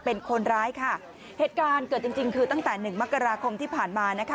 เป็นคนร้ายค่ะเหตุการณ์เกิดจริงจริงคือตั้งแต่หนึ่งมกราคมที่ผ่านมานะคะ